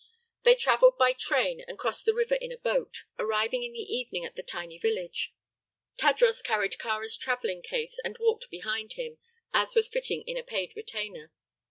They traveled by train and crossed the river in a boat, arriving in the evening at the tiny village. Tadros carried Kāra's large traveling case and walked behind him, as was fitting in a paid retainer.